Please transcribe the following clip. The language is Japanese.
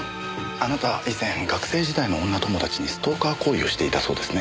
あなたは以前学生時代の女友達にストーカー行為をしていたそうですね。